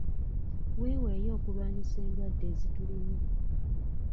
Weeweeyo okulwanyisa endwadde ezitulimu